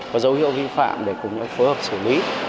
và dấu hiệu vi phạm để phối hợp xử lý